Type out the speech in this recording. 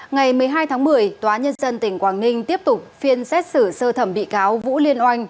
ngày một mươi hai tháng một mươi tòa nhân dân tỉnh quảng ninh tiếp tục phiên xét xử sơ thẩm bị cáo vũ liên oanh